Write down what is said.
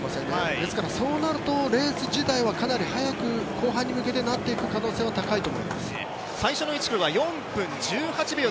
ですから、そうなるとレース自体はかなり速く後半に向けてなっていく可能性は最初の１ｋｍは４分１８秒。